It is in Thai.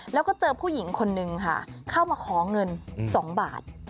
แล้วก็เจอผู้หญิงคนนึงค่ะเข้ามาขอเงิน๒บาท